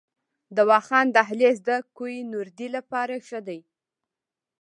د واخان دهلیز د کوه نوردۍ لپاره ښه دی؟